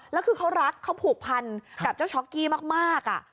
แล้วคือเขารักเขาผูกพันกับเจ้าช็อกกี้มาก